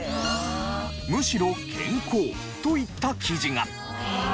むしろ健康といった記事が。